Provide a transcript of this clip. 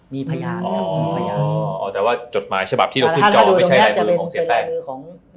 มีพยานแต่ว่าจดหมายฉบับที่เราขึ้นจอไม่ใช่ลายมือของเสียแป้ง